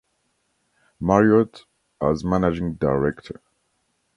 Marriott as managing director.